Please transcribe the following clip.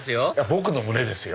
僕の胸ですよ